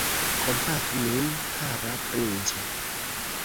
Kompatu min, kara princo!